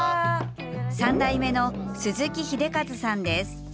３代目の鈴木秀和さんです。